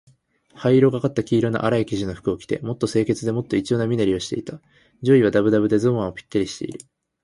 灰色がかった黄色のあらい生地の服を着て、もっと清潔で、もっと一様な身なりをしていた。上衣はだぶだぶで、ズボンはぴったりしている。